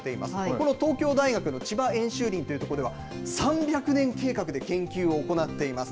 この東京大学の千葉演習林という所では、３００年計画で研究を行っています。